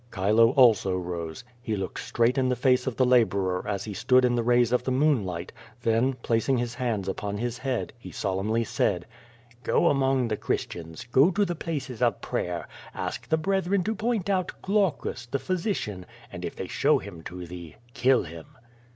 Chilo also rose. He looked straight in the face of the la borer as he stood in the rays of the moonlight, then, placing his hands upon his head, he solemnly said: "Go among the Christians,, go to the places of prayer, ask the brethren to point out Glaucus, the physician, and if they show him to thee, kill him!"